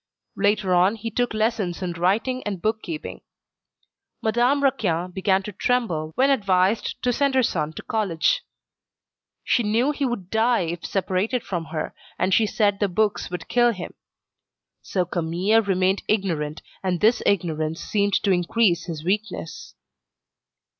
Later on, he took lessons in writing and bookkeeping. Madame Raquin began to tremble when advised to send her son to college. She knew he would die if separated from her, and she said the books would kill him. So Camille remained ignorant, and this ignorance seemed to increase his weakness.